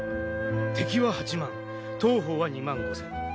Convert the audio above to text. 敵は８万当方は２万５，０００。